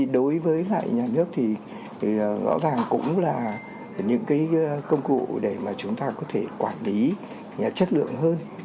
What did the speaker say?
đối với nhà nước thì rõ ràng cũng là những công cụ để chúng ta có thể quản lý nhà chất lượng hơn